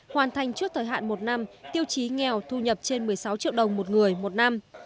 hoàn thành trước thời hạn một năm tiêu chí nghèo thu nhập trên một mươi sáu triệu đồng một người một năm